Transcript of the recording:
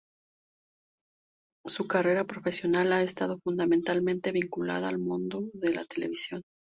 Su carrera profesional ha estado fundamentalmente vinculada al mundo de la televisión.